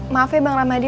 maaf bang ramadi